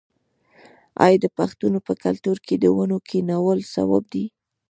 آیا د پښتنو په کلتور کې د ونو کینول ثواب نه دی؟